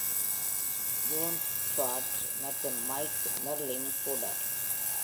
John Schwartz மற்றும் Mike Merrill-ம் கூட.